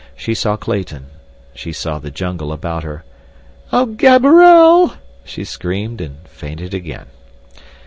She saw Clayton. She saw the jungle about her. "Oh, Gaberelle!" she screamed, and fainted again.